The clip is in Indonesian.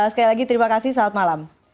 sekali lagi terima kasih selamat malam